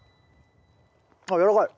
あっやわらかい。